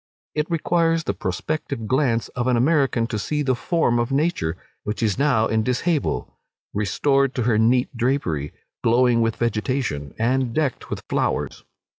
It requires the prospective glance of an American to see the form of nature, which is now in dishabille, restored to her neat drapery, glowing with vegetation, and decked with flowers.